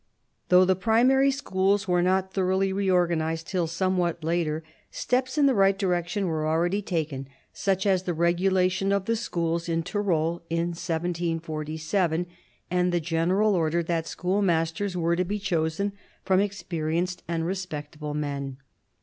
Though the primary schools were not thoroughly reorganised till somewhat later, steps in the right direction were already taken ; such as the regulation of the schools in Tyrol in 1747, and the general order that schoolmasters were to be chosen from experienced and respectable men.